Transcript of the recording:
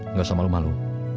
nggak usah malu malu